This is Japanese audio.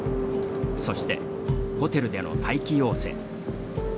そしてホテルでの待機要請。